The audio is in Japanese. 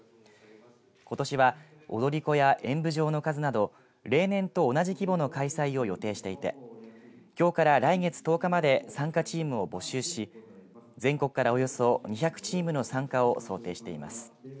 ことしは踊り子や演舞場の数など例年と同じ規模の開催を予定していてきょうから来月１０日まで参加チームを募集し全国からおよそ２００チームの参加を想定しています。